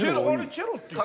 チェロっていたな。